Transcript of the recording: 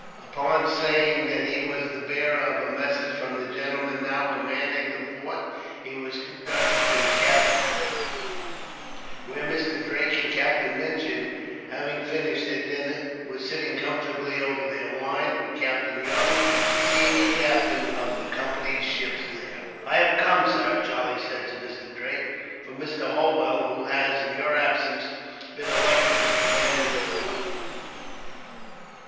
Upon saying that he was the bearer of a message from the gentleman now commanding the fort, he was conducted to the cabin, where Mr. Drake and Captain Minchin, having finished their dinner, were sitting comfortably over their wine with Captain Young, the senior captain of the Company's ships there. "I have come, sir," Charlie said to Mr. Drake, "from Mr. Holwell; who has, in your absence, been elected to the command of the fort.